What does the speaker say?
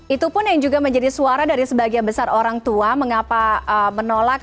itu pun yang juga menjadi suara dari sebagian besar orang tua mengapa menolak